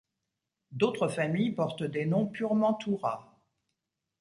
D'autres familles portent des noms purement toura.